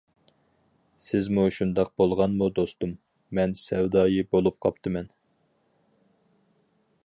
سىزمۇ شۇنداق بولغانمۇ دوستۇم؟ مەن سەۋدايى بولۇپ قاپتىمەن.